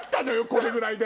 これぐらいで。